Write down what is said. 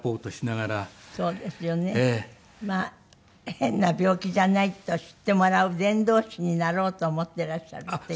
変な病気じゃないと知ってもらう伝道師になろうと思っていらっしゃるっていう。